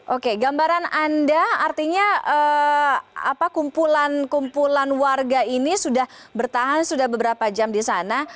oke gambaran anda artinya kumpulan kumpulan warga ini sudah bertahan sudah beberapa jam di sana